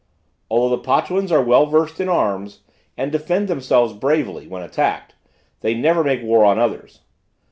Although the Potuans are well versed in arms, and defend themselves bravely, when attacked, they never make war on others.